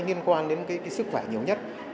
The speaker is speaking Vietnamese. nhiên quan đến cái sức khỏe nhiều nhất